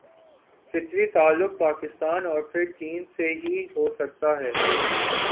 فطری تعلق پاکستان اور پھر چین سے ہی ہو سکتا ہے۔